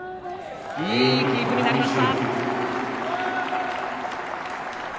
いいキープになりました。